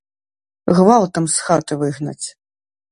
Гвалтам з хаты выгнаць.